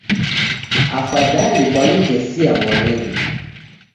Afadhali kwanitesia mwanidu